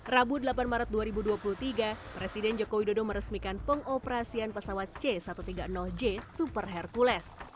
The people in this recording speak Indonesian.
rabu delapan maret dua ribu dua puluh tiga presiden joko widodo meresmikan pengoperasian pesawat c satu ratus tiga puluh j super hercules